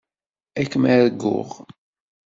Ad kem-arguɣ.